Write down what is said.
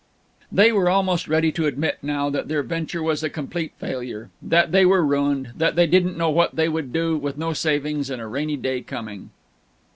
They were almost ready to admit, now, that their venture was a complete failure; that they were ruined; that they didn't know what they would do, with no savings and a rainy day coming.